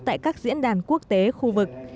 tại các diễn đàn quốc tế khu vực